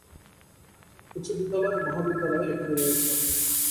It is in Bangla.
উচ্চবিদ্যালয় ও মহাবিদ্যালয় এখানে রয়েছে।